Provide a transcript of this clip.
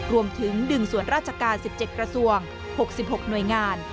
รวมถึงดึงส่วนราชการ๑๗กระทรวง๖๖หน่วยงาน